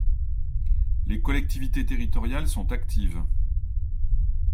Les collectivités territoriales sont actives.